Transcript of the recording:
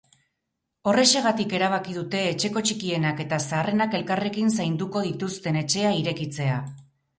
Horrexegatik erabaki dute etxeko txikienak eta zaharrenak elkarrekin zainduko dituzten etxea irekitzea.